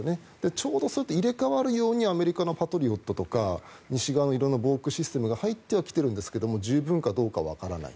ちょうどそれと入れ替わるようにアメリカのパトリオットとか西側の色んな防空システムが入っては来てるんですが十分かどうかはわからない。